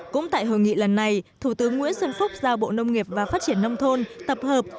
cũng tại hội nghị lần này thủ tướng nguyễn xuân phúc giao bộ nông nghiệp và phát triển nông thôn tập hợp